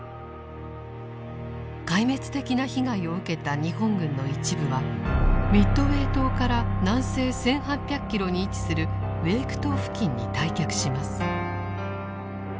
壊滅的な被害を受けた日本軍の一部はミッドウェー島から南西１８００キロに位置するウェーク島付近に退却します。